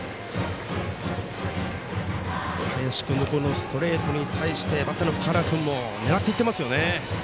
林君のストレートに対してバッターの福原君も狙っていってますよね。